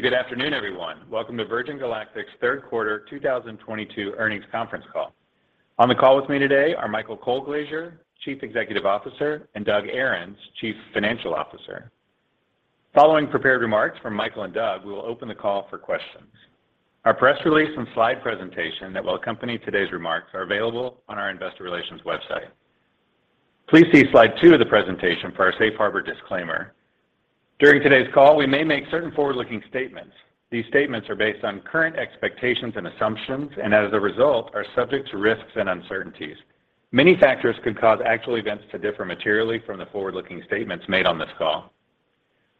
Good afternoon, everyone. Welcome to Virgin Galactic's third quarter 2022 earnings conference call. On the call with me today are Michael Colglazier, Chief Executive Officer, and Doug Ahrens, Chief Financial Officer. Following prepared remarks from Michael and Doug, we will open the call for questions. Our press release and slide presentation that will accompany today's remarks are available on our investor relations website. Please see slide two of the presentation for our safe harbor disclaimer. During today's call, we may make certain forward-looking statements. These statements are based on current expectations and assumptions, and as a result, are subject to risks and uncertainties. Many factors could cause actual events to differ materially from the forward-looking statements made on this call.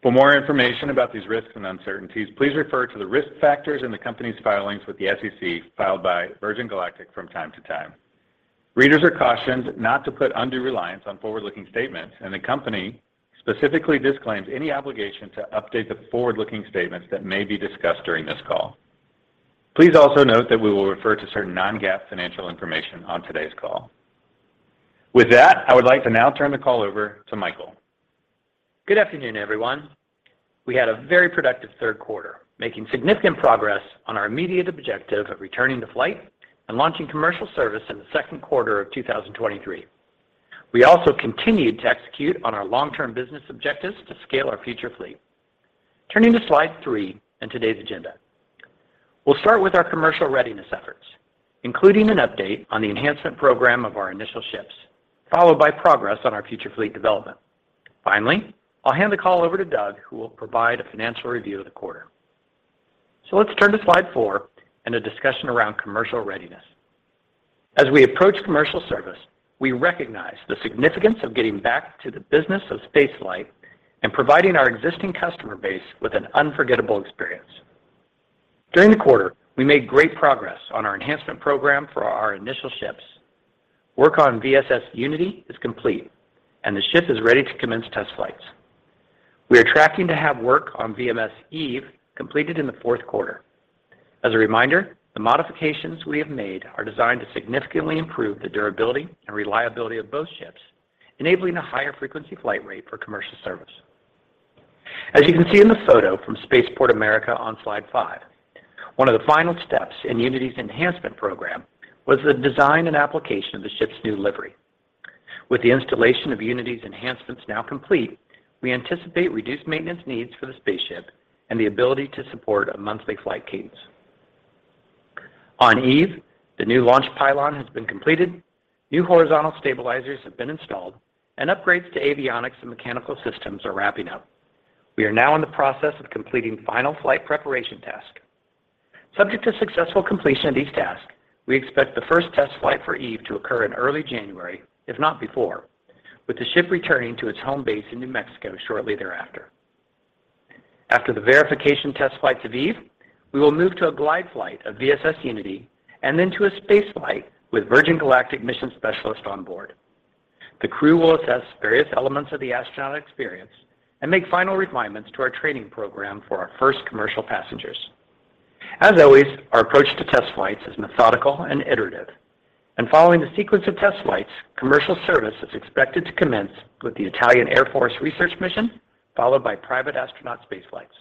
For more information about these risks and uncertainties, please refer to the risk factors in the company's filings with the SEC filed by Virgin Galactic from time to time. Readers are cautioned not to put undue reliance on forward-looking statements, and the company specifically disclaims any obligation to update the forward-looking statements that may be discussed during this call. Please also note that we will refer to certain non-GAAP financial information on today's call. With that, I would like to now turn the call over to Michael. Good afternoon, everyone. We had a very productive third quarter, making significant progress on our immediate objective of returning to flight and launching commercial service in the second quarter of 2023. We also continued to execute on our long-term business objectives to scale our future fleet. Turning to slide three and today's agenda. We'll start with our commercial readiness efforts, including an update on the enhancement program of our initial ships, followed by progress on our future fleet development. Finally, I'll hand the call over to Doug, who will provide a financial review of the quarter. Let's turn to slide four and a discussion around commercial readiness. As we approach commercial service, we recognize the significance of getting back to the business of space flight and providing our existing customer base with an unforgettable experience. During the quarter, we made great progress on our enhancement program for our initial ships. Work on VSS Unity is complete, and the ship is ready to commence test flights. We are tracking to have work on VMS Eve completed in the fourth quarter. As a reminder, the modifications we have made are designed to significantly improve the durability and reliability of both ships, enabling a higher frequency flight rate for commercial service. As you can see in the photo from Spaceport America on slide five, one of the final steps in Unity's enhancement program was the design and application of the ship's new livery. With the installation of Unity's enhancements now complete, we anticipate reduced maintenance needs for the spaceship and the ability to support a monthly flight cadence. On Eve, the new launch pylon has been completed, new horizontal stabilizers have been installed, and upgrades to avionics and mechanical systems are wrapping up. We are now in the process of completing final flight preparation tasks. Subject to successful completion of these tasks, we expect the first test flight for Eve to occur in early January, if not before, with the ship returning to its home base in New Mexico shortly thereafter. After the verification test flights of Eve, we will move to a glide flight of VSS Unity and then to a space flight with Virgin Galactic mission specialist on board. The crew will assess various elements of the astronaut experience and make final refinements to our training program for our first commercial passengers. As always, our approach to test flights is methodical and iterative, and following the sequence of test flights, commercial service is expected to commence with the Italian Air Force research mission, followed by private astronaut space flights.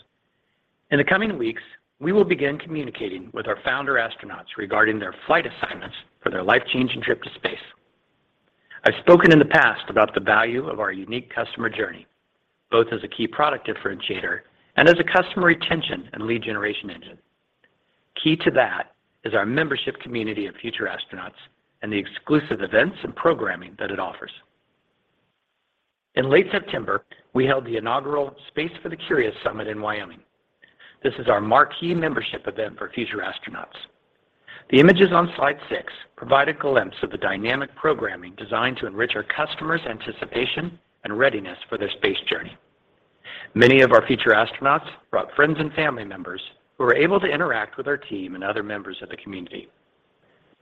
In the coming weeks, we will begin communicating with our founder astronauts regarding their flight assignments for their life-changing trip to space. I've spoken in the past about the value of our unique customer journey, both as a key product differentiator and as a customer retention and lead generation engine. Key to that is our membership community of future astronauts and the exclusive events and programming that it offers. In late September, we held the inaugural Space for the Curious summit in Wyoming. This is our marquee membership event for future astronauts. The images on slide six provide a glimpse of the dynamic programming designed to enrich our customers' anticipation and readiness for their space journey. Many of our future astronauts brought friends and family members who were able to interact with our team and other members of the community.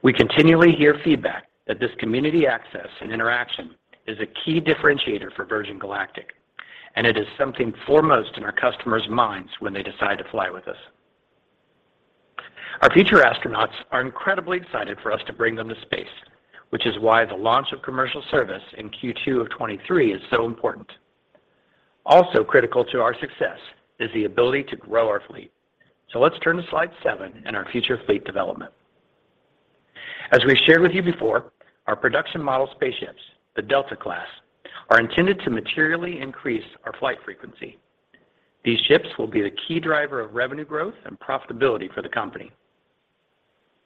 We continually hear feedback that this community access and interaction is a key differentiator for Virgin Galactic, and it is something foremost in our customers' minds when they decide to fly with us. Our future astronauts are incredibly excited for us to bring them to space, which is why the launch of commercial service in Q2 of 2023 is so important. Also critical to our success is the ability to grow our fleet. Let's turn to slide seven and our future fleet development. As we've shared with you before, our production model spaceships, the Delta-class, are intended to materially increase our flight frequency. These ships will be the key driver of revenue growth and profitability for the company.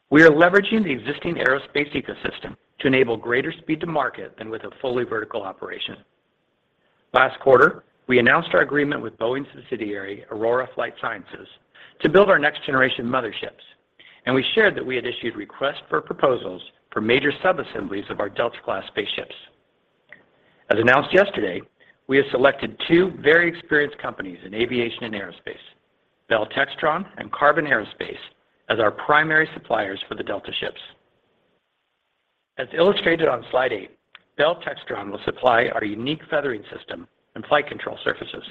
We are leveraging the existing aerospace ecosystem to enable greater speed to market than with a fully vertical operation. Last quarter, we announced our agreement with Boeing subsidiary Aurora Flight Sciences to build our next generation motherships, and we shared that we had issued requests for proposals for major subassemblies of our Delta-class spaceships. As announced yesterday, we have selected two very experienced companies in aviation and aerospace, Bell Textron and Qarbon Aerospace, as our primary suppliers for the Delta ships. As illustrated on slide eight, Bell Textron will supply our unique feathering system and flight control surfaces.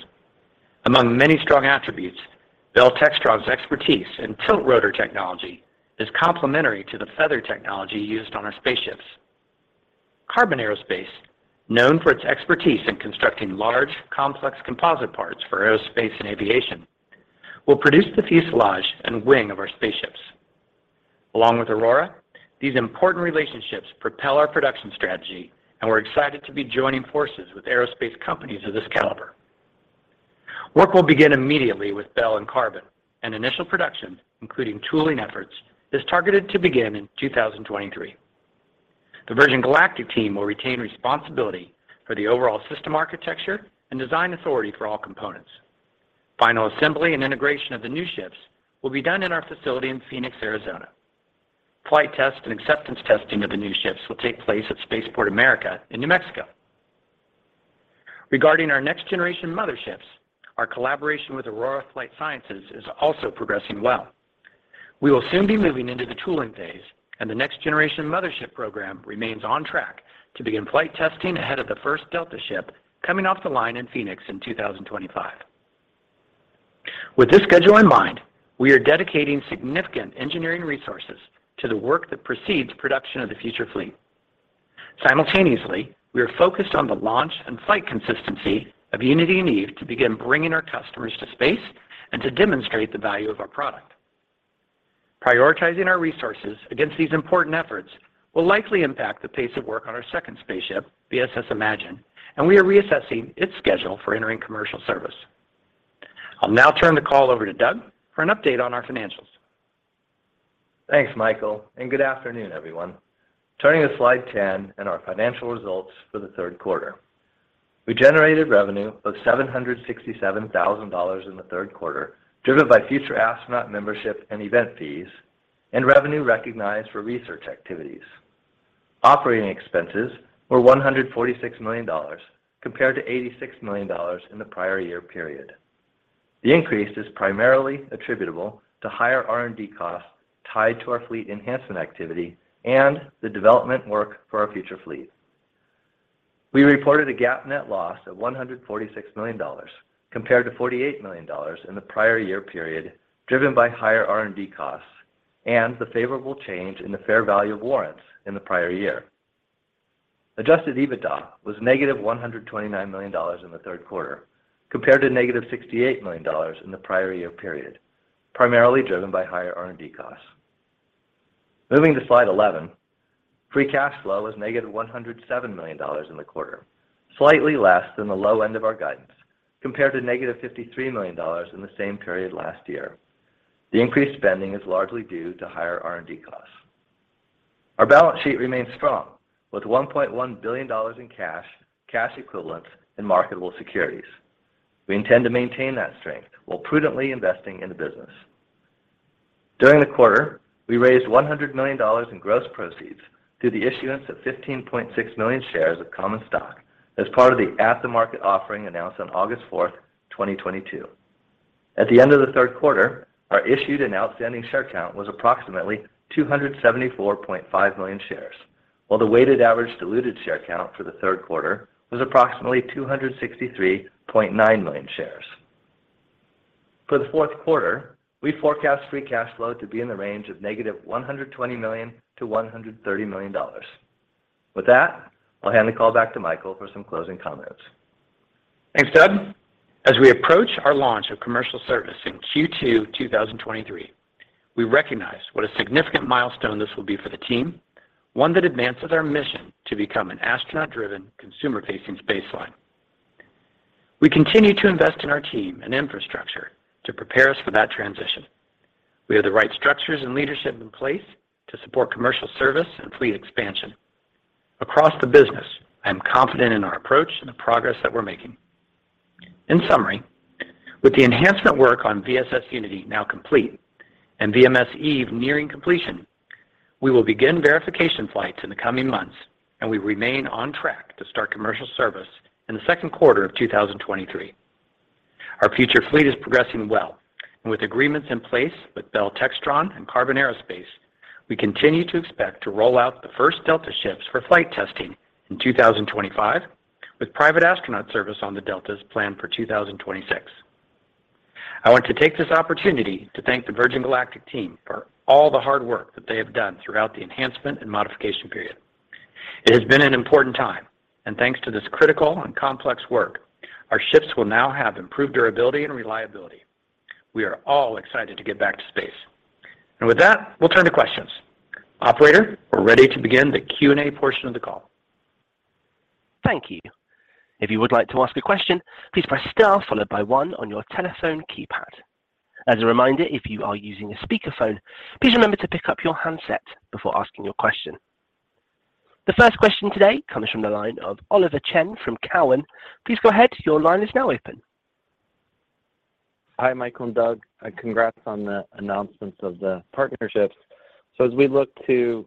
Among many strong attributes, Bell Textron's expertise in tiltrotor technology is complementary to the feather technology used on our spaceships. Qarbon Aerospace, known for its expertise in constructing large, complex composite parts for aerospace and aviation, will produce the fuselage and wing of our spaceships. Along with Aurora, these important relationships propel our production strategy, and we're excited to be joining forces with aerospace companies of this caliber. Work will begin immediately with Bell and Qarbon, and initial production, including tooling efforts, is targeted to begin in 2023. The Virgin Galactic team will retain responsibility for the overall system architecture and design authority for all components. Final assembly and integration of the new ships will be done in our facility in Phoenix, Arizona. Flight test and acceptance testing of the new ships will take place at Spaceport America in New Mexico. Regarding our next-generation motherships, our collaboration with Aurora Flight Sciences is also progressing well. We will soon be moving into the tooling phase, and the next-generation mothership program remains on track to begin flight testing ahead of the first Delta ship coming off the line in Phoenix in 2025. With this schedule in mind, we are dedicating significant engineering resources to the work that precedes production of the future fleet. Simultaneously, we are focused on the launch and flight consistency of Unity and Eve to begin bringing our customers to space and to demonstrate the value of our product. Prioritizing our resources against these important efforts will likely impact the pace of work on our second spaceship, VSS Imagine, and we are reassessing its schedule for entering commercial service. I'll now turn the call over to Doug for an update on our financials. Thanks, Michael, and good afternoon, everyone. Turning to slide 10 and our financial results for the third quarter. We generated revenue of $767,000 in the third quarter, driven by future astronaut membership and event fees and revenue recognized for research activities. Operating expenses were $146 million compared to $86 million in the prior year period. The increase is primarily attributable to higher R&D costs tied to our fleet enhancement activity and the development work for our future fleet. We reported a GAAP net loss of $146 million compared to $48 million in the prior year period, driven by higher R&D costs and the favorable change in the fair value of warrants in the prior year. Adjusted EBITDA was -$129 million in the third quarter compared to -$68 million in the prior year period, primarily driven by higher R&D costs. Moving to slide 11, free cash flow was -$107 million in the quarter, slightly less than the low end of our guidance, compared to -$53 million in the same period last year. The increased spending is largely due to higher R&D costs. Our balance sheet remains strong with $1.1 billion in cash equivalents, and marketable securities. We intend to maintain that strength while prudently investing in the business. During the quarter, we raised $100 million in gross proceeds through the issuance of 15.6 million shares of common stock as part of the at-the-market offering announced on August 4, 2022. At the end of the third quarter, our issued and outstanding share count was approximately 274.5 million shares, while the weighted average diluted share count for the third quarter was approximately 263.9 million shares. For the fourth quarter, we forecast free cash flow to be in the range of -$120 million to $130 million. With that, I'll hand the call back to Michael for some closing comments. Thanks, Doug. As we approach our launch of commercial service in Q2 2023, we recognize what a significant milestone this will be for the team, one that advances our mission to become an astronaut-driven, consumer-facing space line. We continue to invest in our team and infrastructure to prepare us for that transition. We have the right structures and leadership in place to support commercial service and fleet expansion. Across the business, I am confident in our approach and the progress that we're making. In summary, with the enhancement work on VSS Unity now complete and VMS Eve nearing completion, we will begin verification flights in the coming months, and we remain on track to start commercial service in the second quarter of 2023. Our future fleet is progressing well, and with agreements in place with Bell Textron and Qarbon Aerospace, we continue to expect to roll out the first Delta ships for flight testing in 2025, with private astronaut service on the Deltas planned for 2026. I want to take this opportunity to thank the Virgin Galactic team for all the hard work that they have done throughout the enhancement and modification period. It has been an important time, and thanks to this critical and complex work, our ships will now have improved durability and reliability. We are all excited to get back to space. With that, we'll turn to questions. Operator, we're ready to begin the Q&A portion of the call. Thank you. If you would like to ask a question, please press star followed by one on your telephone keypad. As a reminder, if you are using a speakerphone, please remember to pick up your handset before asking your question. The first question today comes from the line of Oliver Chen from Cowen. Please go ahead. Your line is now open. Hi, Michael and Doug, and congrats on the announcements of the partnerships. As we look to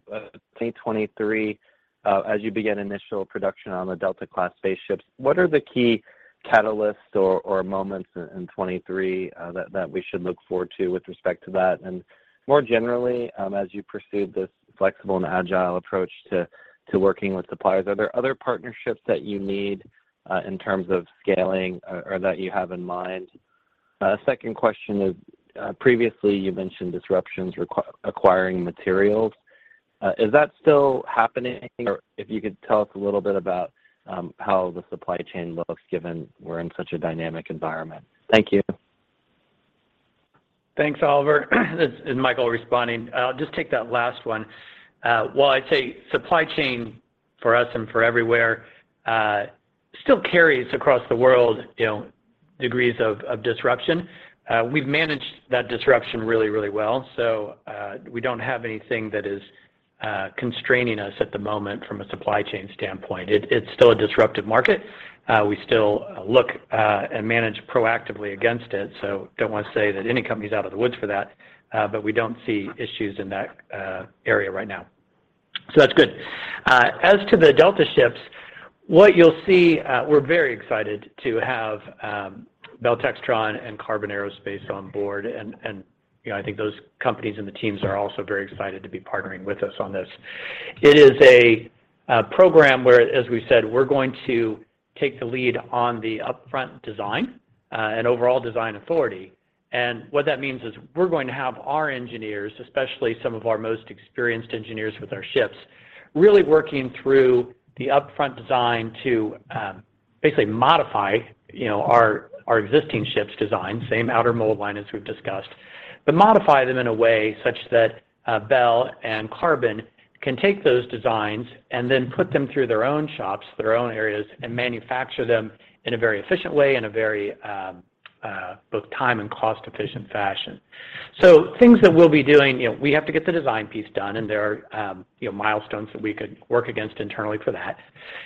2023, as you begin initial production on the Delta-class spaceships, what are the key catalysts or moments in 2023 that we should look forward to with respect to that? And more generally, as you pursue this flexible and agile approach to working with suppliers, are there other partnerships that you need in terms of scaling or that you have in mind? A second question is, previously you mentioned disruptions in acquiring materials. Is that still happening? Or if you could tell us a little bit about how the supply chain looks given we're in such a dynamic environment. Thank you. Thanks, Oliver. This is Michael responding. I'll just take that last one. Well, I'd say supply chain for us and for everywhere still carries across the world, you know, degrees of disruption. We've managed that disruption really, really well. We don't have anything that is constraining us at the moment from a supply chain standpoint. It's still a disruptive market. We still look and manage proactively against it. Don't want to say that any company's out of the woods for that. We don't see issues in that area right now. That's good. As to the Delta ships, what you'll see, we're very excited to have Bell Textron and Qarbon Aerospace on board. You know, I think those companies and the teams are also very excited to be partnering with us on this. It is a program where, as we said, we're going to take the lead on the upfront design and overall design authority. What that means is we're going to have our engineers, especially some of our most experienced engineers with our ships, really working through the upfront design to basically modify, you know, our existing ships design, same outer mold line as we've discussed, but modify them in a way such that Bell Textron and Qarbon Aerospace can take those designs and then put them through their own shops, their own areas, and manufacture them in a very efficient way, in a very both time and cost-efficient fashion. Things that we'll be doing, you know, we have to get the design piece done, and there are, you know, milestones that we could work against internally for that.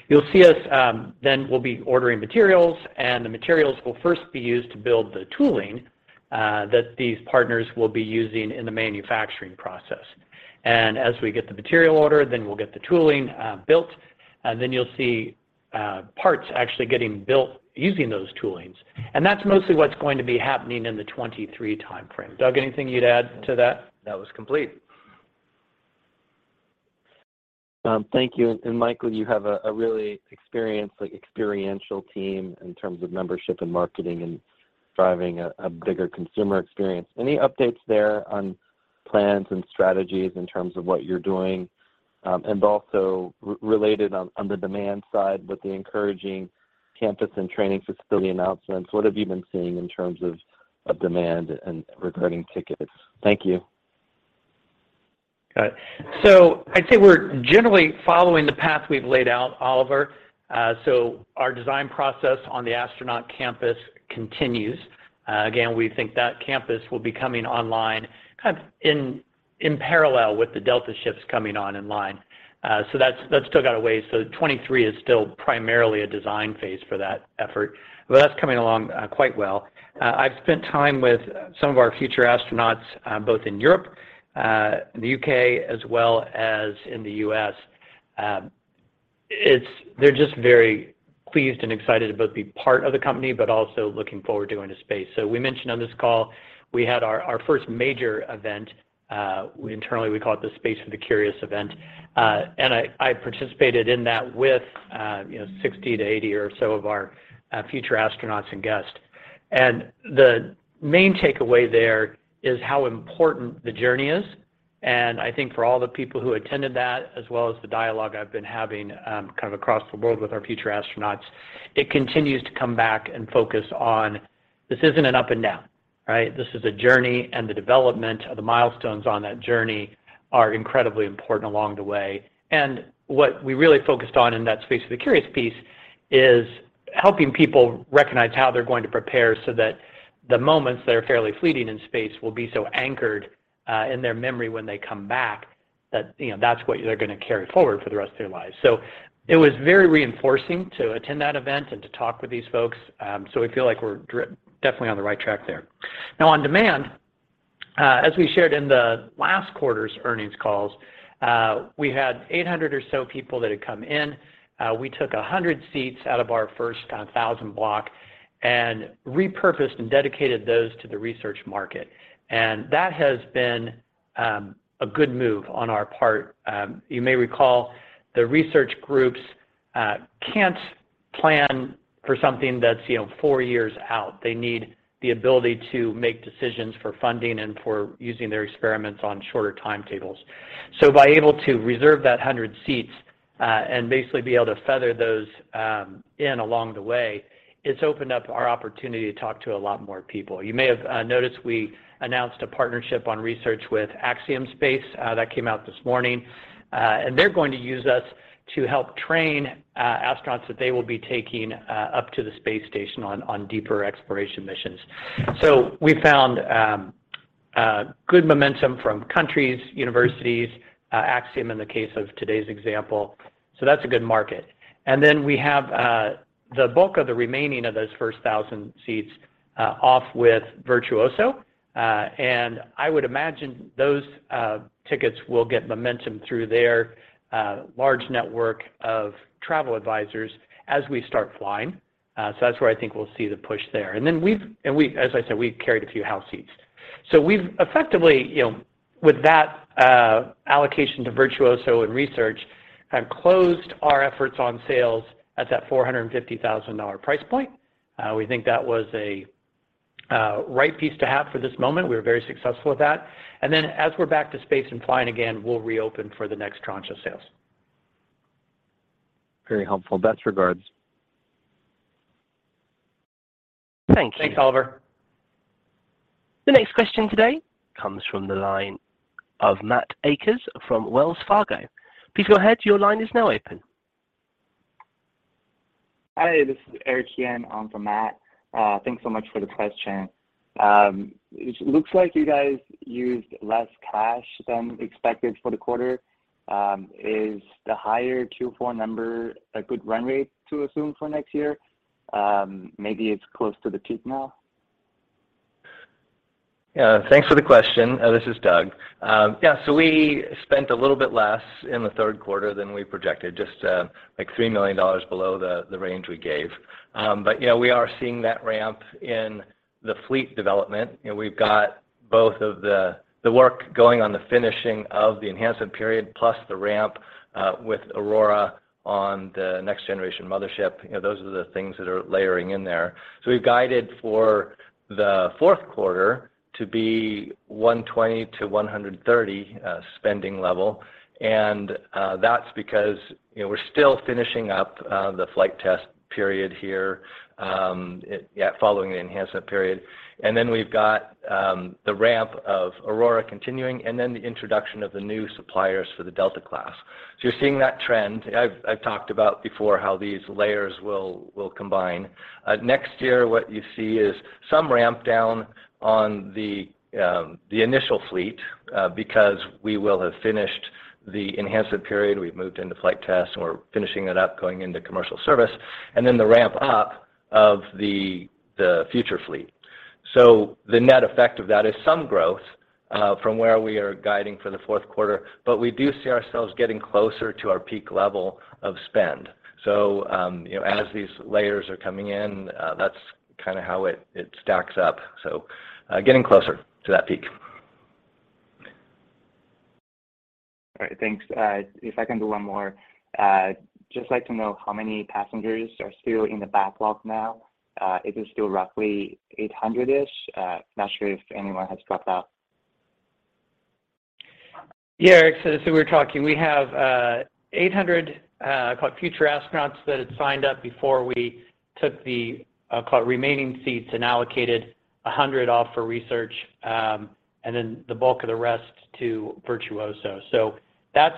You'll see us, then we'll be ordering materials, and the materials will first be used to build the tooling that these partners will be using in the manufacturing process. As we get the material ordered, then we'll get the tooling built, and then you'll see parts actually getting built using those toolings. That's mostly what's going to be happening in the 2023 timeframe. Doug, anything you'd add to that? That was complete. Thank you. Michael, you have a really experienced, like experiential team in terms of membership and marketing and driving a bigger consumer experience. Any updates there on plans and strategies in terms of what you're doing, and also regarding the demand side with the encouraging campus and training facility announcements, what have you been seeing in terms of demand and regarding tickets? Thank you. Got it. I'd say we're generally following the path we've laid out, Oliver. Our design process on the astronaut campus continues. Again, we think that campus will be coming online kind of in parallel with the Delta ships coming online. That's still got a way. 2023 is still primarily a design phase for that effort, but that's coming along quite well. I've spent time with some of our future astronauts, both in Europe, the U.K., as well as in the U.S. They're just very pleased and excited to both be part of the company, but also looking forward to going to space. We mentioned on this call, we had our first major event, internally, we call it the Space for the Curious event. I participated in that with, you know, 60-80 or so of our future astronauts and guests. The main takeaway there is how important the journey is. I think for all the people who attended that, as well as the dialogue I've been having, kind of across the world with our future astronauts, it continues to come back and focus on this isn't an up and down, right? This is a journey, and the development of the milestones on that journey are incredibly important along the way. What we really focused on in that Space for the Curious piece is helping people recognize how they're going to prepare so that the moments that are fairly fleeting in space will be so anchored in their memory when they come back that, you know, that's what they're going to carry forward for the rest of their lives. It was very reinforcing to attend that event and to talk with these folks. We feel like we're definitely on the right track there. Now, on demand, as we shared in the last quarter's earnings calls, we had 800 or so people that had come in. We took 100 seats out of our first 1,000 block and repurposed and dedicated those to the research market. That has been a good move on our part. You may recall the research groups can't plan for something that's, you know, four years out. They need the ability to make decisions for funding and for using their experiments on shorter timetables. By being able to reserve that 100 seats and basically be able to feather those in along the way, it's opened up our opportunity to talk to a lot more people. You may have noticed we announced a partnership on research with Axiom Space that came out this morning. They're going to use us to help train astronauts that they will be taking up to the space station on deeper exploration missions. We found good momentum from countries, universities, Axiom in the case of today's example. That's a good market. We have the bulk of the remaining of those first 1,000 seats off with Virtuoso. I would imagine those tickets will get momentum through their large network of travel advisors as we start flying. That's where I think we'll see the push there. As I said, we've carried a few house seats. We've effectively, you know, with that allocation to Virtuoso and resellers, have closed our efforts on sales at that $450,000 price point. We think that was a right piece to have for this moment. We were very successful with that. As we're back to space and flying again, we'll reopen for the next tranche of sales. Very helpful. Best regards. Thank you. Thanks, Oliver. The next question today comes from the line of Matt Akers from Wells Fargo. Please go ahead, your line is now open. Hi, this is Eric Yan in for Matt. Thanks so much for the question. It looks like you guys used less cash than expected for the quarter. Is the higher Q4 number a good run rate to assume for next year? Maybe it's close to the peak now? Yeah. Thanks for the question. This is Doug. Yeah. We spent a little bit less in the third quarter than we projected, just like $3 million below the range we gave. But yeah, we are seeing that ramp in the fleet development. You know, we've got both of the work going on the finishing of the enhancement period plus the ramp with Aurora on the next-generation mothership. You know, those are the things that are layering in there. We've guided for the fourth quarter to be $120 million-$130 million spending level. That's because, you know, we're still finishing up the flight test period here, yeah, following the enhancement period. Then we've got the ramp of Aurora continuing and then the introduction of the new suppliers for the Delta-class. You're seeing that trend. I've talked about before how these layers will combine. Next year, what you see is some ramp down on the initial fleet because we will have finished the enhancement period. We've moved into flight tests, and we're finishing it up going into commercial service. Then the ramp up of the future fleet. The net effect of that is some growth from where we are guiding for the fourth quarter, but we do see ourselves getting closer to our peak level of spend. You know, as these layers are coming in, that's kind of how it stacks up. Getting closer to that peak. All right. Thanks. If I can do one more. Just like to know how many passengers are still in the backlog now. Is it still roughly 800-ish? Not sure if anyone has dropped out. Yeah, Eric. As we were talking, we have 800 call it future astronauts that had signed up before we took the call it remaining seats and allocated 100 off for research, and then the bulk of the rest to Virtuoso. That's.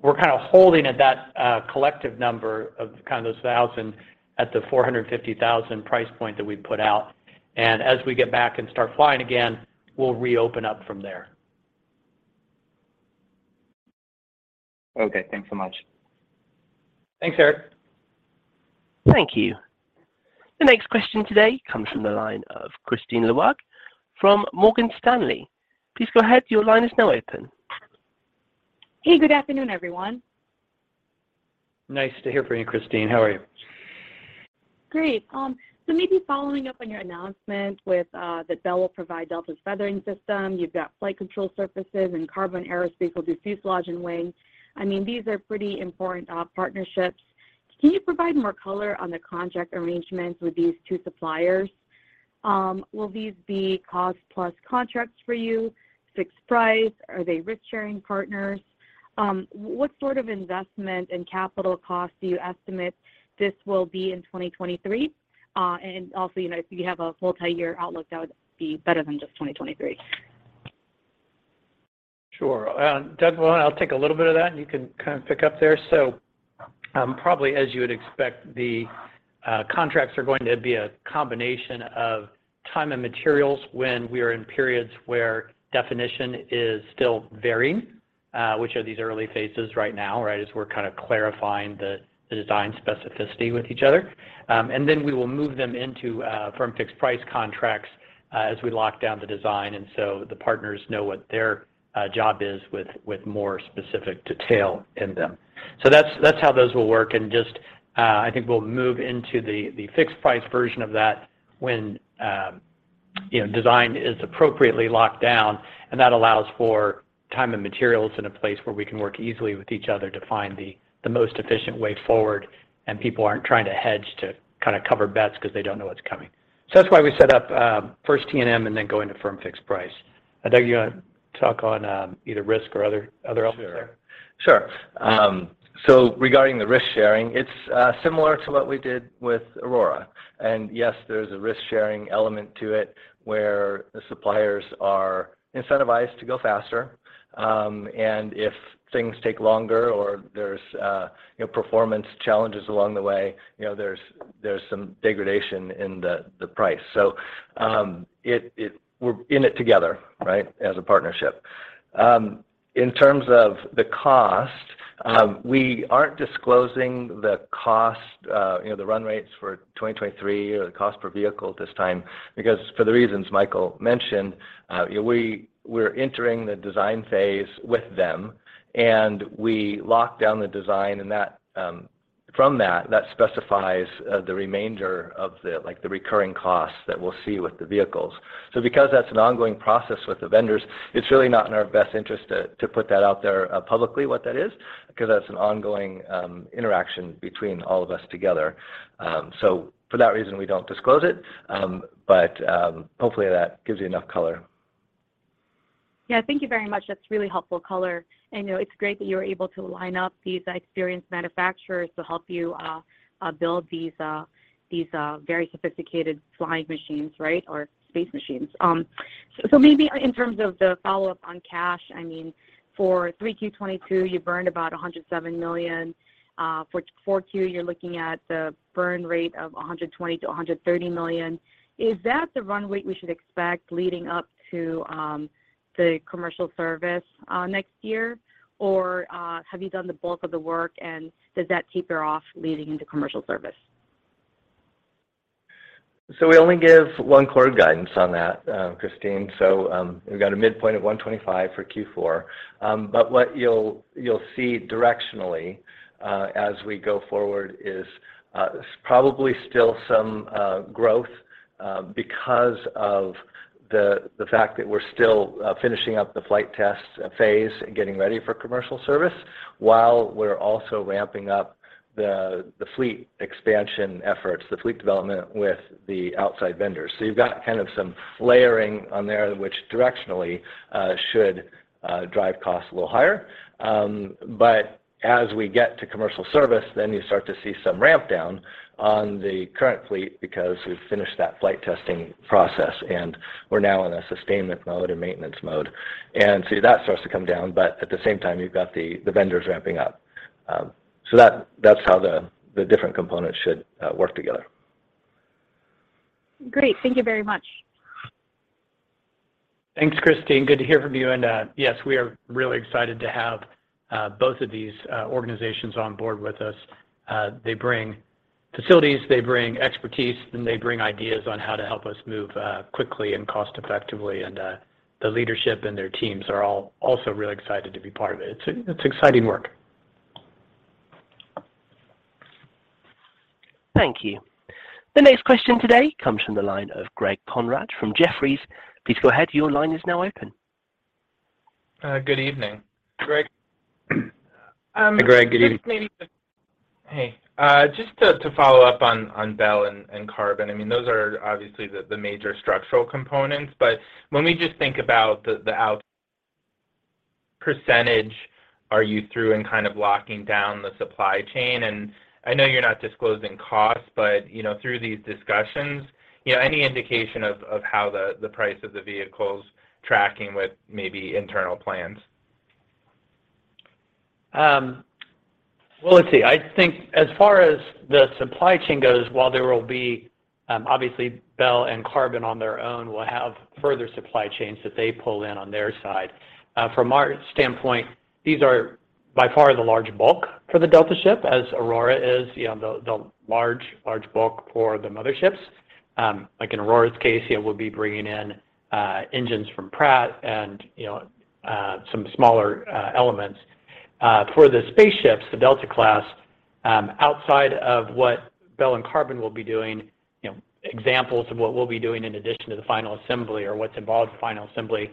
We're kind of holding at that collective number of kind of those 1,000 at the $450,000 price point that we put out. As we get back and start flying again, we'll reopen up from there. Okay. Thanks so much. Thanks, Eric. Thank you. The next question today comes from the line of Kristine Liwag from Morgan Stanley. Please go ahead, your line is now open. Hey, good afternoon, everyone. Nice to hear from you, Kristine. How are you? Great. So maybe following up on your announcement with that Bell will provide Delta's feathering system. You've got flight control surfaces and Qarbon Aerospace will do fuselage and wing. I mean, these are pretty important partnerships. Can you provide more color on the contract arrangements with these two suppliers? Will these be cost plus contracts for you? Fixed price? Are they risk-sharing partners? What sort of investment and capital costs do you estimate this will be in 2023? You know, if you have a multi-year outlook, that would be better than just 2023. Sure. Doug, I'll take a little bit of that, and you can kind of pick up there. Probably as you would expect, the contracts are going to be a combination of time and materials when we are in periods where definition is still varying, which are these early phases right now, right? As we're kind of clarifying the design specificity with each other. Then we will move them into firm fixed price contracts as we lock down the design, and so the partners know what their job is with more specific detail in them. That's how those will work. Just, I think we'll move into the fixed price version of that when you know, design is appropriately locked down. That allows for time and materials in a place where we can work easily with each other to find the most efficient way forward, and people aren't trying to hedge to kind of cover bets because they don't know what's coming. That's why we set up first T&M and then go into firm fixed price. Doug, do you want to talk on either risk or other elements there? Sure. Regarding the risk-sharing, it's similar to what we did with Aurora. Yes, there's a risk-sharing element to it where the suppliers are incentivized to go faster. If things take longer or there's, you know, performance challenges along the way, you know, there's some degradation in the price. We're in it together, right, as a partnership. In terms of the cost, we aren't disclosing the cost, you know, the run rates for 2023 or the cost per vehicle at this time because for the reasons Michael mentioned, you know, we're entering the design phase with them, and we lock down the design and that. From that specifies the remainder of, like, the recurring costs that we'll see with the vehicles. Because that's an ongoing process with the vendors, it's really not in our best interest to put that out there publicly what that is, because that's an ongoing interaction between all of us together. For that reason, we don't disclose it. But hopefully that gives you enough color. Yeah. Thank you very much. That's really helpful color. I know it's great that you're able to line up these experienced manufacturers to help you build these very sophisticated flying machines, right? Or space machines. So maybe in terms of the follow-up on cash, I mean, for Q3 2022, you burned about $107 million. For Q4, you're looking at the burn rate of $120 million-$130 million. Is that the run rate we should expect leading up to the commercial service next year? Or have you done the bulk of the work, and does that taper off leading into commercial service? We only give one quarter of guidance on that, Kristine Liwag. We've got a midpoint of $125 for Q4. But what you'll see directionally as we go forward is probably still some growth because of the fact that we're still finishing up the flight test phase and getting ready for commercial service while we're also ramping up the fleet expansion efforts, the fleet development with the outside vendors. You've got kind of some layering on there which directionally should drive costs a little higher. But as we get to commercial service, then you start to see some ramp down on the current fleet because we've finished that flight testing process, and we're now in a sustainment mode and maintenance mode. That starts to come down, but at the same time, you've got the vendors ramping up. That's how the different components should work together. Great. Thank you very much. Thanks, Kristine. Good to hear from you, and yes, we are really excited to have both of these organizations on board with us. They bring facilities, they bring expertise, and they bring ideas on how to help us move quickly and cost-effectively. The leadership and their teams are all also really excited to be part of it. It's exciting work. Thank you. The next question today comes from the line of Gregory Konrad from Jefferies. Please go ahead. Your line is now open. Good evening, Greg. Hi, Greg. Good evening. Um, this maybe the- Hey. Just to follow up on Bell and Qarbon. I mean, those are obviously the major structural components. When we just think about the out percentage, are you through in kind of locking down the supply chain? I know you're not disclosing costs, but you know, through these discussions, you know, any indication of how the price of the vehicle's tracking with maybe internal plans? Well, let's see. I think as far as the supply chain goes, while there will be, obviously Bell and Qarbon on their own will have further supply chains that they pull in on their side. From our standpoint, these are by far the large bulk for the Delta ship, as Aurora is, you know, the large bulk for the motherships. Like in Aurora's case, you know, we'll be bringing in engines from Pratt & Whitney, you know, some smaller elements. For the spaceships, the Delta class, outside of what Bell and Qarbon will be doing, you know, examples of what we'll be doing in addition to the final assembly or what's involved in final assembly,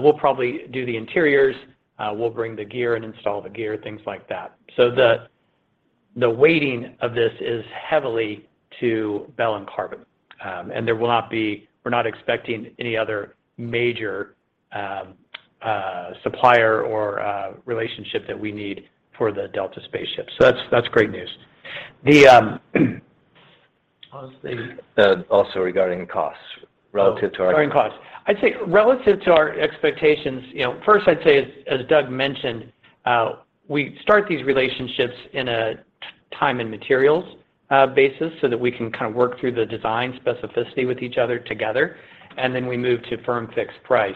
we'll probably do the interiors. We'll bring the gear and install the gear, things like that. The weighting of this is heavily to Bell and Qarbon. We're not expecting any other major supplier or relationship that we need for the Delta spaceship. That's great news. I'll say. Also regarding costs relative to our Oh, regarding costs. I'd say relative to our expectations, you know, first I'd say as Doug mentioned, we start these relationships in a time and materials basis so that we can kind of work through the design specificity with each other together, and then we move to firm fixed price.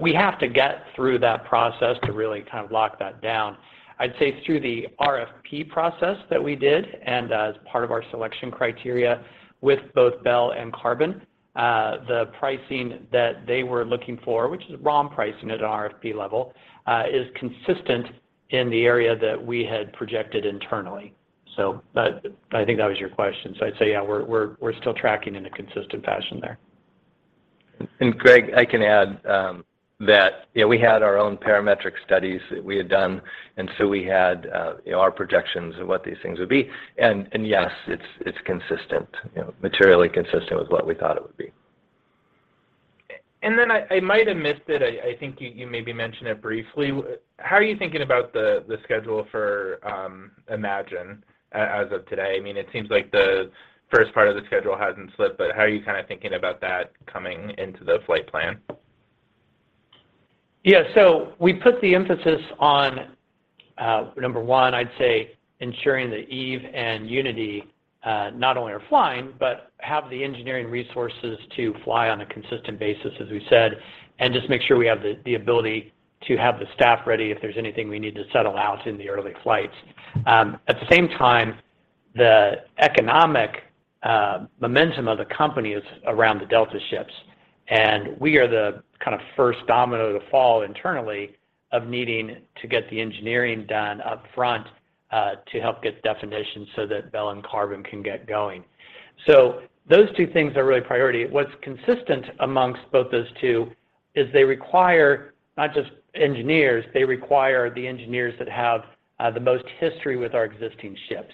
We have to get through that process to really kind of lock that down. I'd say through the RFP process that we did and, as part of our selection criteria with both Bell and Qarbon, the pricing that they were looking for, which is raw pricing at an RFP level, is consistent in the area that we had projected internally. I think that was your question. I'd say, yeah, we're still tracking in a consistent fashion there. Greg, I can add that, you know, we had our own parametric studies that we had done, and so we had, you know, our projections of what these things would be. Yes, it's consistent, you know, materially consistent with what we thought it would be. I might have missed it. I think you maybe mentioned it briefly. How are you thinking about the schedule for Imagine as of today? I mean, it seems like the first part of the schedule hasn't slipped, but how are you kind of thinking about that coming into the flight plan? Yeah. We put the emphasis on, number one, I'd say ensuring that Eve and Unity, not only are flying, but have the engineering resources to fly on a consistent basis, as we said, and just make sure we have the ability to have the staff ready if there's anything we need to settle out in the early flights. At the same time, the economic momentum of the company is around the Delta ships. We are the kind of first domino to fall internally of needing to get the engineering done up front, to help get definition so that Bell and Qarbon can get going. Those two things are really priority. What's consistent amongst both those two is they require not just engineers, they require the engineers that have the most history with our existing ships.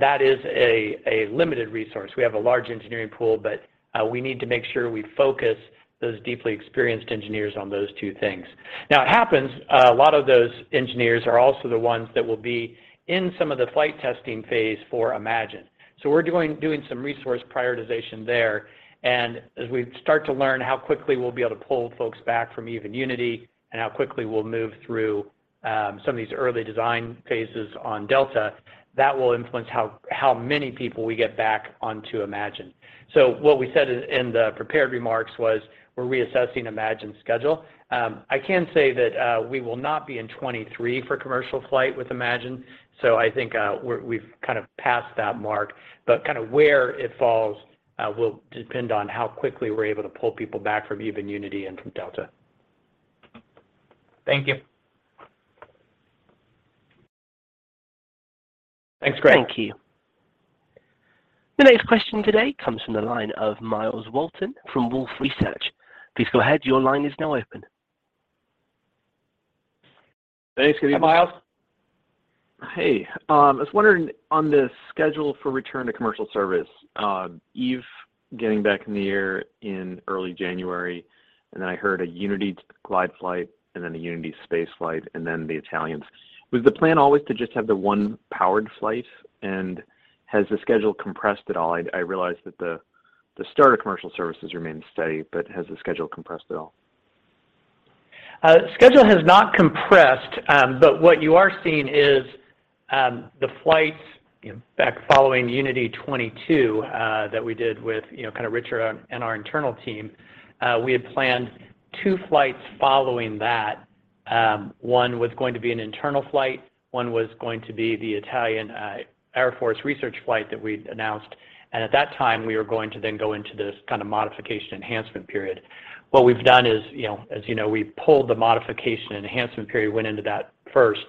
That is a limited resource. We have a large engineering pool, but we need to make sure we focus those deeply experienced engineers on those two things. Now it happens a lot of those engineers are also the ones that will be in some of the flight testing phase for Imagine. We're doing some resource prioritization there, and as we start to learn how quickly we'll be able to pull folks back from even Unity and how quickly we'll move through some of these early design phases on Delta, that will influence how many people we get back onto Imagine. What we said in the prepared remarks was we're reassessing Imagine's schedule. I can say that we will not be in 2023 for commercial flight with Imagine, so I think we've kind of passed that mark. Kind of where it falls will depend on how quickly we're able to pull people back from even Unity and from Delta. Thank you. Thanks, Greg. Thank you. The next question today comes from the line of Myles Walton from Wolfe Research. Please go ahead, your line is now open. Thanks. Hi, Myles. Hey. I was wondering on the schedule for return to commercial service, Eve getting back in the air in early January, and then I heard a Unity glide flight and then a Unity space flight and then the Italians. Was the plan always to just have the one powered flight? Has the schedule compressed at all? I realize that the start of commercial services remains steady, but has the schedule compressed at all? The schedule has not compressed, but what you are seeing is, the flights, you know, back following Unity 22, that we did with, you know, kind of Richard and our internal team, we had planned two flights following that. One was going to be an internal flight, one was going to be the Italian Air Force research flight that we'd announced. At that time, we were going to then go into this kind of modification enhancement period. What we've done is, you know, as you know, we've pulled the modification enhancement period, went into that first.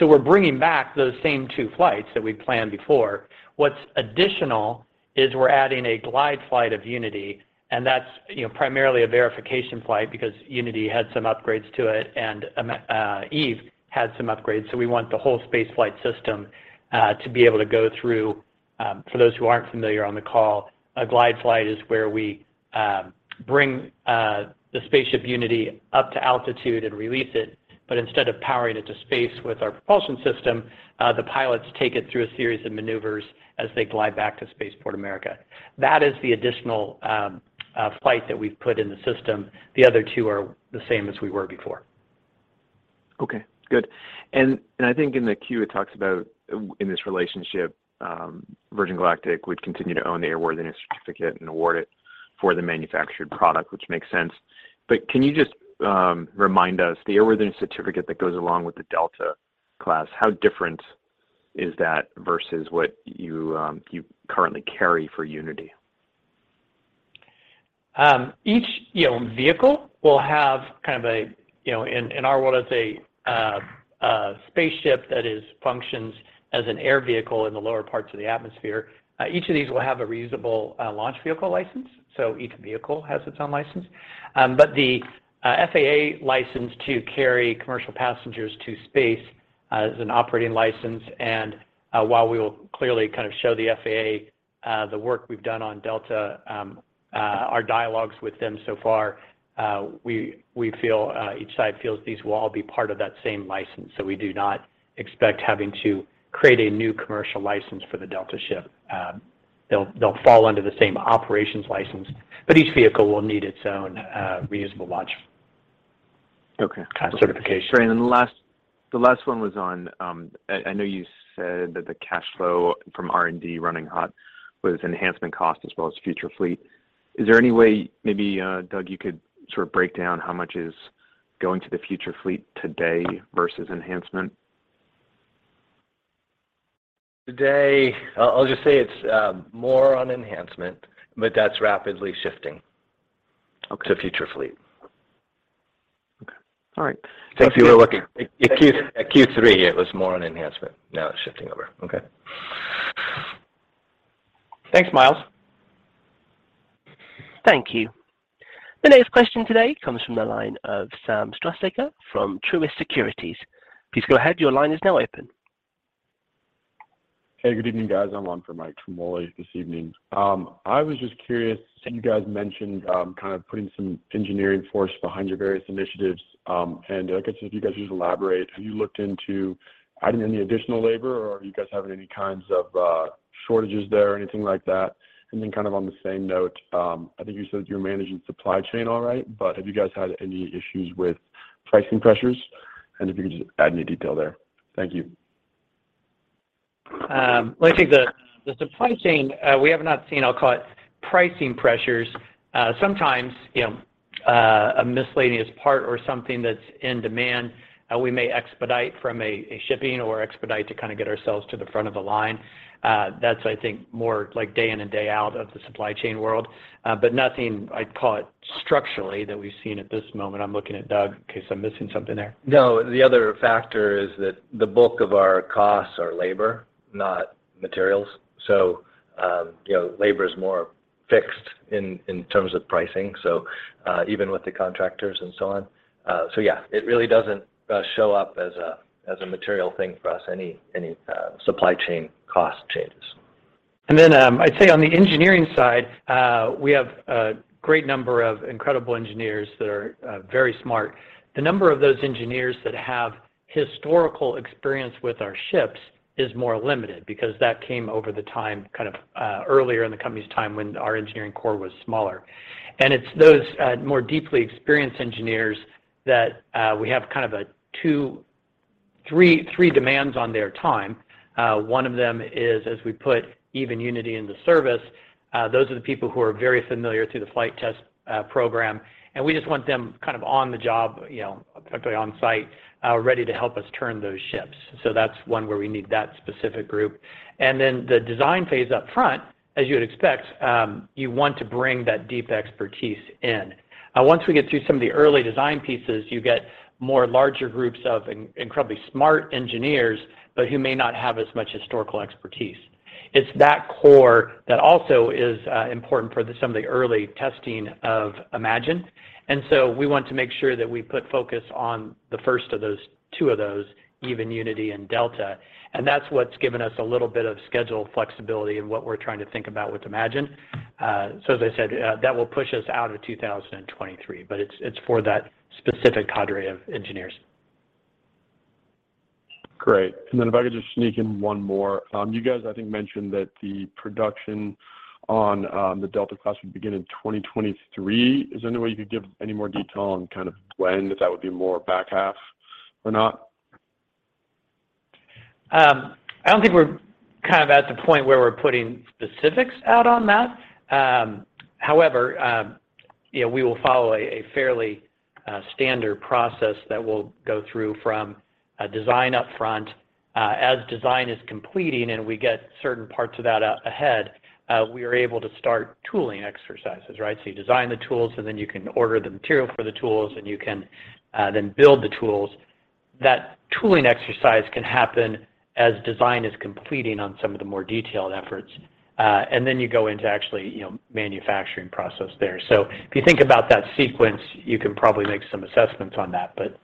We're bringing back those same two flights that we planned before. What's additional is we're adding a glide flight of Unity, and that's, you know, primarily a verification flight because Unity had some upgrades to it and Eve had some upgrades, so we want the whole space flight system to be able to go through. For those who aren't familiar on the call, a glide flight is where we bring the spaceship Unity up to altitude and release it, but instead of powering it to space with our propulsion system, the pilots take it through a series of maneuvers as they glide back to Spaceport America. That is the additional flight that we've put in the system. The other two are the same as we were before. Okay. Good. I think in the queue it talks about in this relationship, Virgin Galactic would continue to own the airworthiness certificate and award it for the manufactured product, which makes sense. But can you just remind us, the airworthiness certificate that goes along with the Delta class, how different is that versus what you currently carry for Unity? Each vehicle will have kind of a you know in our world as a spaceship that functions as an air vehicle in the lower parts of the atmosphere. Each of these will have a reusable launch vehicle license, so each vehicle has its own license. The FAA license to carry commercial passengers to space is an operating license, and while we will clearly kind of show the FAA the work we've done on Delta, our dialogues with them so far, we feel each side feels these will all be part of that same license. We do not expect having to create a new commercial license for the Delta ship. They'll fall under the same operations license, but each vehicle will need its own reusable launch vehicle license. Okay kind of certification. Great. Last one was on, I know you said that the cash flow from R&D running hot was enhancement cost as well as future fleet. Is there any way maybe, Doug, you could sort of break down how much is going to the future fleet today versus enhancement? Today, I'll just say it's more on enhancement, but that's rapidly shifting. Okay to future fleet. Okay. All right. Thanks for your work. If you were looking at Q3, it was more on enhancement. Now it's shifting over. Okay. Thanks, Myles. Thank you. The next question today comes from the line of Samuel Struhsaker from Truist Securities. Please go ahead, your line is now open. Hey, good evening, guys. I'm on for Michael Ciarmoli this evening. I was just curious, you guys mentioned kind of putting some engineering force behind your various initiatives, and I guess if you guys could just elaborate, have you looked into adding any additional labor or are you guys having any kinds of shortages there or anything like that? Kind of on the same note, I think you said you're managing supply chain all right, but have you guys had any issues with pricing pressures? If you could just add any detail there. Thank you. Well, I think the supply chain, we have not seen. I'll call it pricing pressures. Sometimes, you know, a miscellaneous part or something that's in demand, we may expedite from a shipping or expedite to kind of get ourselves to the front of the line. That's, I think more like day in and day out of the supply chain world. But nothing I'd call it structurally that we've seen at this moment. I'm looking at Doug in case I'm missing something there. No. The other factor is that the bulk of our costs are labor, not materials. You know, labor is more fixed in terms of pricing, so even with the contractors and so on. Yeah, it really doesn't show up as a material thing for us, any supply chain cost changes. I'd say on the engineering side, we have a great number of incredible engineers that are very smart. The number of those engineers that have historical experience with our ships is more limited because that came over the time kind of earlier in the company's time when our engineering corps was smaller. It's those more deeply experienced engineers that we have kind of a 2, 3 demands on their time. One of them is, as we put even Unity into service, those are the people who are very familiar through the flight test program, and we just want them kind of on the job, you know, effectively on site, ready to help us turn those ships. That's one where we need that specific group. The design phase up front, as you would expect, you want to bring that deep expertise in. Once we get through some of the early design pieces, you get larger groups of incredibly smart engineers, but who may not have as much historical expertise. It's that core that also is important for some of the early testing of Imagine. We want to make sure that we put focus on the first of those, two of those, even Unity and Delta. That's what's given us a little bit of schedule flexibility in what we're trying to think about with Imagine. As I said, that will push us out of 2023, but it's for that specific cadre of engineers. Great. If I could just sneak in one more. You guys, I think, mentioned that the production on the Delta-class would begin in 2023. Is there any way you could give any more detail on kind of when? If that would be more back half or not? I don't think we're kind of at the point where we're putting specifics out on that. However, you know, we will follow a fairly standard process that we'll go through from a design up front. As design is completing and we get certain parts of that out ahead, we are able to start tooling exercises, right? So you design the tools, and then you can order the material for the tools, and you can then build the tools. That tooling exercise can happen as design is completing on some of the more detailed efforts. And then you go into actually, you know, manufacturing process there. So if you think about that sequence, you can probably make some assessments on that, but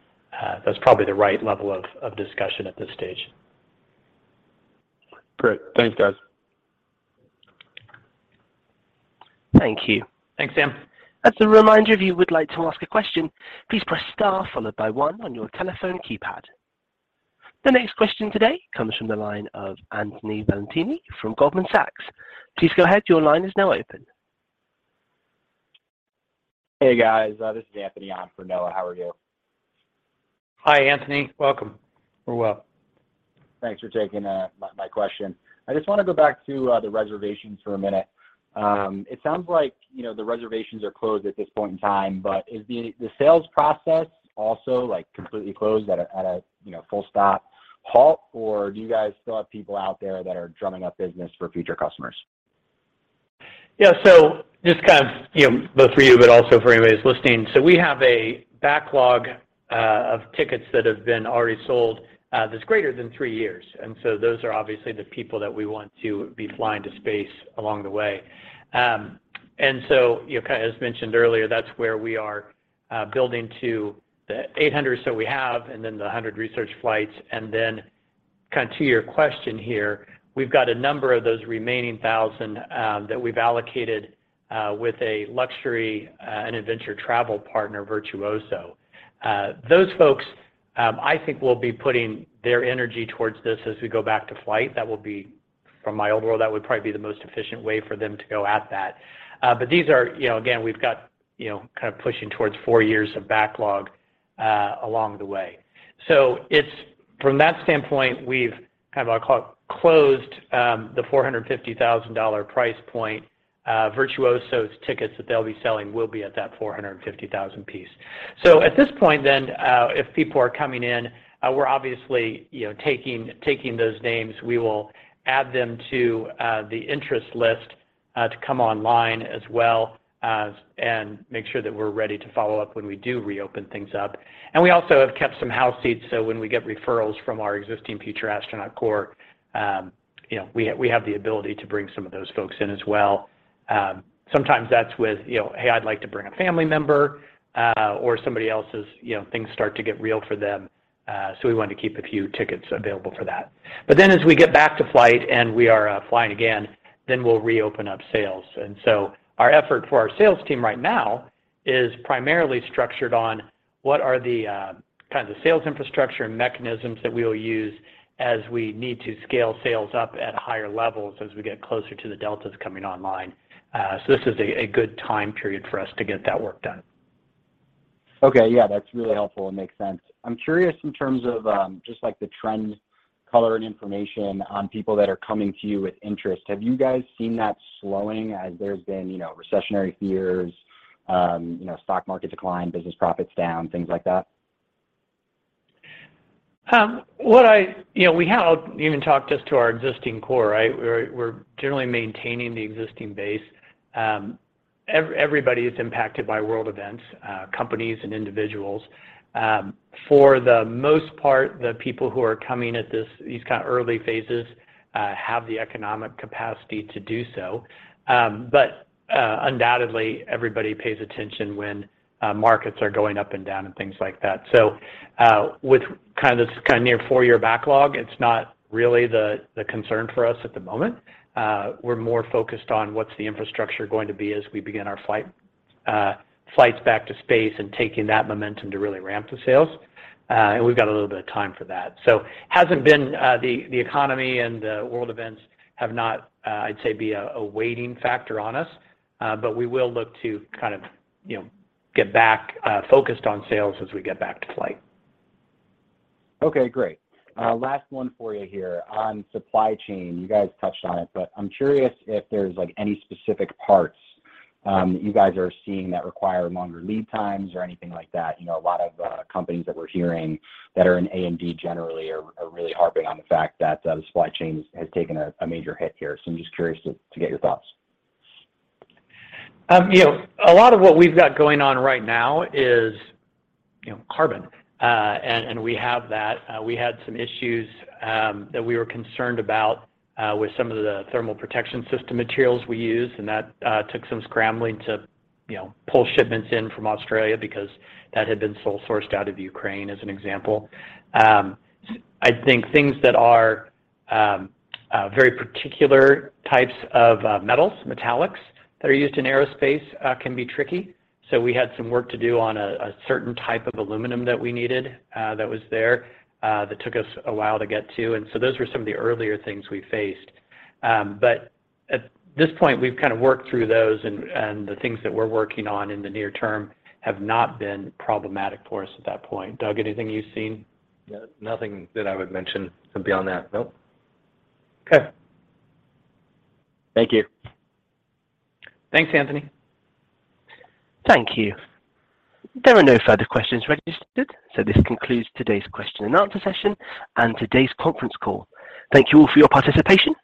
that's probably the right level of discussion at this stage. Great. Thanks, guys. Thank you. Thanks, Sam. As a reminder, if you would like to ask a question, please press star followed by one on your telephone keypad. The next question today comes from the line of Anthony Valentini from Goldman Sachs. Please go ahead. Your line is now open. Hey, guys. This is Anthony on for Noah. How are you? Hi, Anthony. Welcome. We're well. Thanks for taking my question. I just want to go back to the reservations for a minute. It sounds like, you know, the reservations are closed at this point in time. Is the sales process also, like, completely closed at a full stop halt, or do you guys still have people out there that are drumming up business for future customers? Yeah. Just kind of, you know, both for you, but also for anybody who's listening. We have a backlog of tickets that have been already sold, that's greater than 3 years. Those are obviously the people that we want to be flying to space along the way. You know, kind of as mentioned earlier, that's where we are building to the 800 or so we have and then the 100 research flights. Then kind of to your question here, we've got a number of those remaining 1,000 that we've allocated with a luxury and adventure travel partner, Virtuoso. Those folks, I think will be putting their energy towards this as we go back to flight. From my old world, that would probably be the most efficient way for them to go at that. But these are, you know, again, we've got, you know, kind of pushing towards four years of backlog along the way. From that standpoint, we've kind of, I'll call it, closed the $450,000 price point. Virtuoso's tickets that they'll be selling will be at that $450,000 piece. At this point then, if people are coming in, we're obviously, you know, taking those names. We will add them to the interest list to come online as well as make sure that we're ready to follow up when we do reopen things up. We also have kept some house seats, so when we get referrals from our existing future astronaut corps, you know, we have the ability to bring some of those folks in as well. Sometimes that's with, you know, "Hey, I'd like to bring a family member," or somebody else is, you know, things start to get real for them, so we want to keep a few tickets available for that. As we get back to flight and we are flying again, we'll reopen up sales. Our effort for our sales team right now is primarily structured on what are the kind of the sales infrastructure and mechanisms that we will use as we need to scale sales up at higher levels as we get closer to the Deltas coming online. This is a good time period for us to get that work done. Okay. Yeah, that's really helpful and makes sense. I'm curious in terms of, just like the trend color and information on people that are coming to you with interest. Have you guys seen that slowing as there's been, you know, recessionary fears, you know, stock market decline, business profits down, things like that? You know, we have even talked just to our existing core, right? We're generally maintaining the existing base. Everybody is impacted by world events, companies and individuals. For the most part, the people who are coming at this, these kind of early phases have the economic capacity to do so. Undoubtedly, everybody pays attention when markets are going up and down and things like that. With kind of this kind of near 4-year backlog, it's not really the concern for us at the moment. We're more focused on what's the infrastructure going to be as we begin our flights back to space and taking that momentum to really ramp the sales. We've got a little bit of time for that. The economy and the world events have not, I'd say, been a waiting factor on us. We will look to kind of, you know, get back focused on sales as we get back to flight. Okay, great. Last one for you here. On supply chain, you guys touched on it, but I'm curious if there's like any specific parts, you guys are seeing that require longer lead times or anything like that. You know, a lot of companies that we're hearing that are in A&D generally are really harping on the fact that the supply chain has taken a major hit here. I'm just curious to get your thoughts. You know, a lot of what we've got going on right now is, you know, Qarbon. We have that. We had some issues that we were concerned about with some of the thermal protection system materials we use, and that took some scrambling to, you know, pull shipments in from Australia because that had been sole sourced out of Ukraine as an example. I think things that are very particular types of metals, metallics that are used in aerospace can be tricky. We had some work to do on a certain type of aluminum that we needed that was there that took us a while to get to. Those were some of the earlier things we faced. at this point, we've kind of worked through those and the things that we're working on in the near term have not been problematic for us at that point. Doug, anything you've seen? No. Nothing that I would mention beyond that. Nope. Okay. Thank you. Thanks, Anthony. Thank you. There are no further questions registered, so this concludes today's question and answer session and today's conference call. Thank you all for your participation.